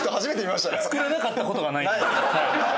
作れなかったことがない。